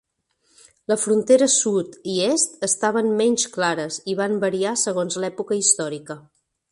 La frontera sud i est estaven menys clares i van variar segons l'època històrica.